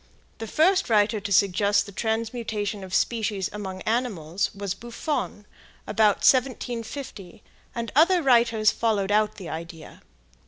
The first writer to suggest the transmutation of species among animals was Buffon, about 1750, and other writers followed out the idea.